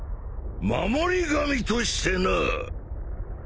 守り神としてな。